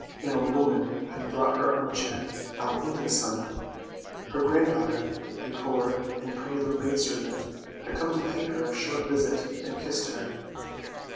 An old woman had brought her arm chair out into the sun; her granddaughter, a poor and pretty little maid servant, had come to pay her a short visit, and she kissed her.